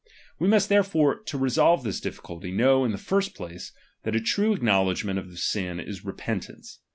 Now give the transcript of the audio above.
We must therefore, to resolve J "this difficulty, know in the first place, that a true acknowledgment of sin is repentance.